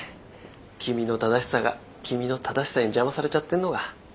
君の正しさが君の正しさに邪魔されちゃってるのが。